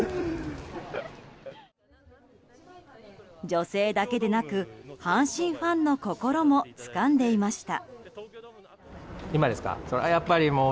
女性だけでなく阪神ファンの心もつかんでいました。